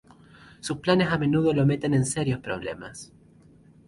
Sus planes a menudo lo meten en serios problemas.